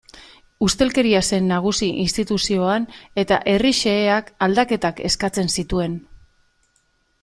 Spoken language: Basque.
Ustelkeria zen nagusi instituzioan eta herri xeheak aldaketak eskatzen zituen.